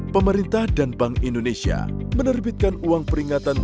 pemerintah dan bank indonesia menerbitkan uang peringatan